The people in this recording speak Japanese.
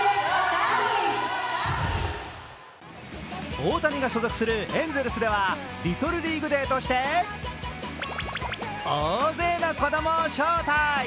大谷が所属するエンゼルスではリトルリーグ・デーとして大勢の子供を招待。